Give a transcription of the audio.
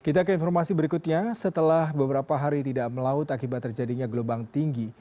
kita ke informasi berikutnya setelah beberapa hari tidak melaut akibat terjadinya gelombang tinggi